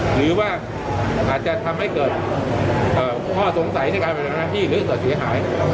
หรือว่าอาจจะทำให้เกิดข้อสงสัยในการปฏิบัติหน้าที่หรือเกิดเสียหาย